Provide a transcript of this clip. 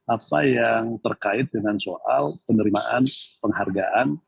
apa yang terkait dengan soal penerimaan penghargaan